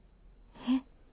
えっ？